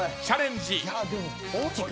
チャレンジ。